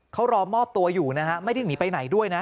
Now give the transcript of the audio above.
เขารอมอบตัวอยู่นะฮะไม่ได้หนีไปไหนด้วยนะ